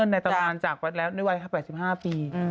ในตรวจจากวันแล้วไม่ไว้แค่๘๕ปี